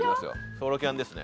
ソロキャンですね。